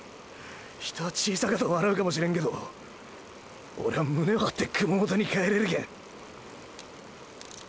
人は小さかと笑うかもしれんけどオレは胸を張って熊本に帰れるげん！